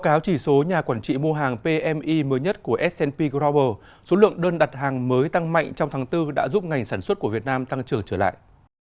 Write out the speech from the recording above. theo chỉ số nhà quản trị mua hàng pmi mới nhất của s p global số lượng đơn đặt hàng mới tăng mạnh trong tháng bốn đã giúp ngành sản xuất của việt nam tăng trưởng trở lại